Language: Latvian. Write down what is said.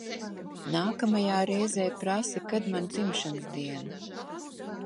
Nākamajā reizē prasa, kad man dzimšanas diena.